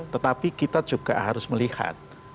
tetapi kita juga harus melihat